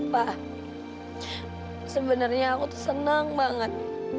wah sebenarnya aku tuh senang banget